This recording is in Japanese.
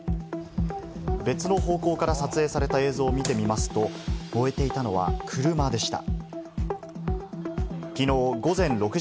別の方向から撮影された映像を見てみますと、燃えていたのは車でした。